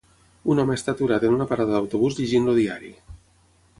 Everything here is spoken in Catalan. Un home està aturat en una parada d'autobús llegint el diari.